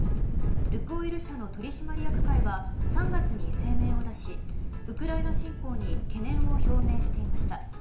ルクオイルの取締役会は３月に声明を出しウクライナ侵攻に懸念を表明していました。